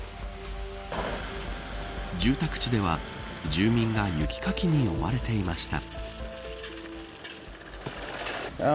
住宅地では住民が雪かきに追われていました。